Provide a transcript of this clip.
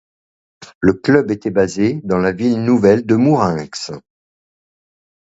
Le club était basé dans la ville nouvelle de Mourenx.